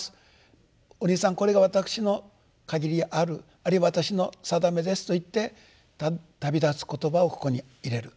お兄さんこれが私の限りあるあるいは私の定めです」と言って旅立つ言葉をここに入れる。